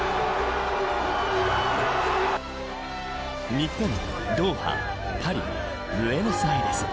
日本、ドーハ、パリブエノスアイレス。